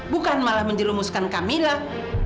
bukan malah menjelumuskan kamilah